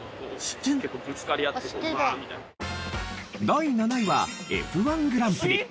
第７位はＦ−１グランプリ。